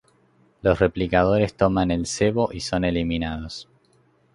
Los Replicadores toman el cebo y son eliminados.